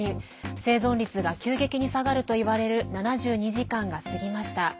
生存率が急激に下がるといわれる７２時間が過ぎました。